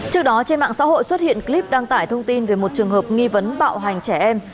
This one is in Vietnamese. trước đó trên mạng xã hội xuất hiện clip đăng tải thông tin về một trường hợp nghi vấn bạo hành trẻ em